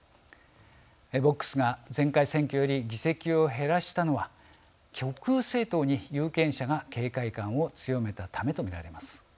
ＶＯＸが前回選挙より議席を減らしたのは極右政党に有権者が警戒感を強めたためと見られます。